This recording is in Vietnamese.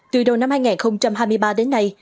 từ đầu năm hai nghìn hai mươi ba đến nay